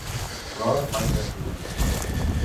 L'or mai no és vil.